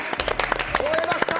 吼えました。